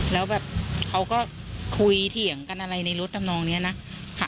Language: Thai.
แล้วแบบเขาก็คุยเถียงกันอะไรในรถทำนองนี้นะค่ะ